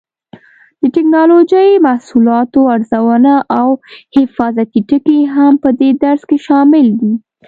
د ټېکنالوجۍ محصولاتو ارزونه او حفاظتي ټکي هم په دې درس کې شامل دي.